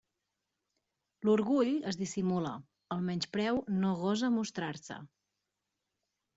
L'orgull es dissimula; el menyspreu no gosa mostrar-se.